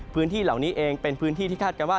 พื้นที่เหล่านี้เองเป็นพื้นที่ที่คาดการณ์ว่า